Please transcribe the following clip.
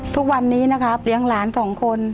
ทุกวันนี้นะครับเลี้ยงหลานสองคน